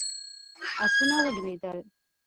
آسونه ولوېدل.